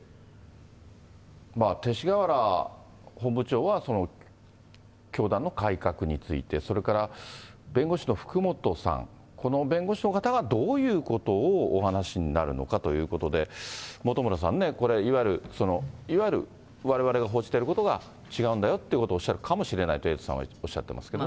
勅使河原本部長は、教団の改革について、それから弁護士の福本さん、この弁護士の方がどういうことをお話になるのかということで、本村さんね、これ、いわゆるわれわれの報じていることが違うんだよということをおっしゃるかもしれないと、エイトさんはおっしゃっていますね。